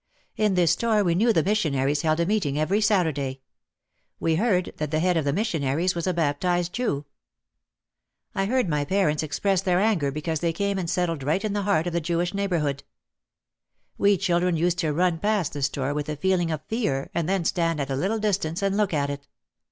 In this store we knew the mis sionaries held a meeting every Saturday. We heard that the head of the missionaries was a baptised Jew. I heard I OUT OF THE SHADOW 161 my parents express their anger because they came and settled right in the heart of the Jewish neighbourhood. We children used to run past the store with a feeling of fear and then stand at a little distance and look at it.